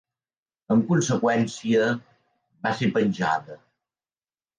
En conseqüència, va ser penjada.